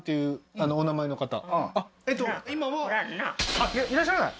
あれ居らっしゃらない？